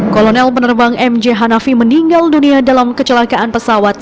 kolonel penerbang mj hanafi meninggal dunia dalam kecelakaan pesawat